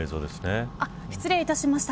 失礼いたしました。